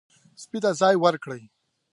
سپي ته ځای ورکړئ.